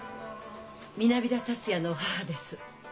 南田達也の母です。